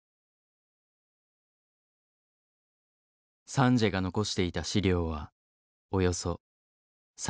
サンジエが残していた資料はおよそ３万ページ。